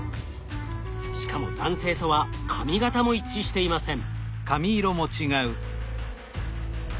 しかも男性とは髪形も一致していません。